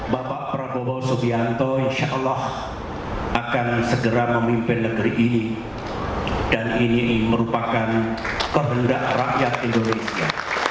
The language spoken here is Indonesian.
bapak prabowo subianto insya allah akan segera memimpin negeri ini dan ini merupakan kehendak rakyat indonesia